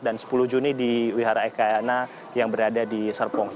dan sepuluh juni di wihara ekayana yang berada di serpong